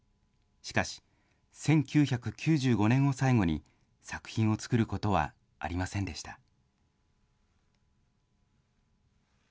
しかし、１９９５年を最後に作品を作ることはありませんでした。